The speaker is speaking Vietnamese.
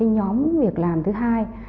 nhóm việc làm thứ hai